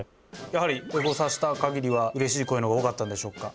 やはりエゴサした限りはうれしい声のほうが多かったんでしょうか？